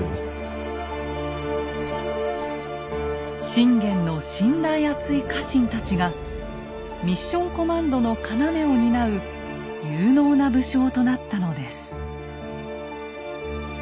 信玄の信頼厚い家臣たちがミッション・コマンドの要を担う有能な武将となったのです。